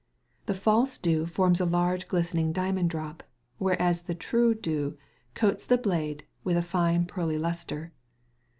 The false dew forms a large glistening diamond drop, whereas the true dew coats the blade with a fine pearly lustre.